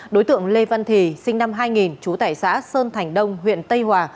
đối tượng lê văn thì sinh năm hai nghìn chú tải xã sơn thành đông huyện tây hòa